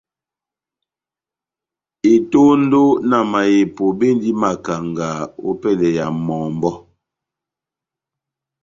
Etondo na mahepo bendi makanga ópɛlɛ ya mɔmbɔ́.